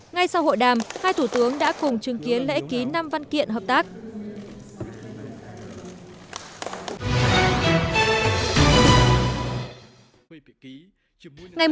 ngay sau hội đàm hai thủ tướng đã cùng chứng kiến lễ ký năm văn kiện hợp tác